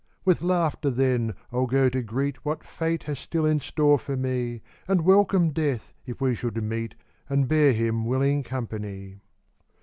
With laughter, then, I'll go to greet What Fate has still in store for me, And welcome Death if we should meet, And bear him willing company.